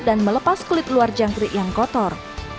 dan melepas kulit luar jangkrik yang kotor